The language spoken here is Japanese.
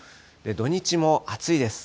土日も暑いです。